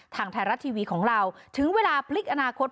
ทางไทยรัฐทีวีของเราถึงเวลาพลิกอนาคต